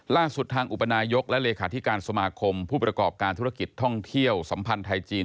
ล่าสุดทางอุปนายกและเลขาธิการสมาคมผู้ประกอบการธุรกิจท่องเที่ยวสัมพันธ์ไทยจีน